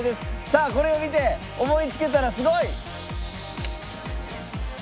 さあこれを見て思いつけたらすごい！